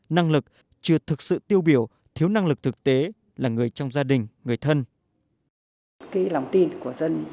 năng lực chưa thực sự tiêu biểu thiếu năng lực thực tế là người trong gia đình người thân